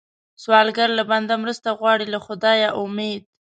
سوالګر له بنده مرسته غواړي، له خدایه امید